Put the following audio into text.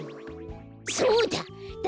そうだ！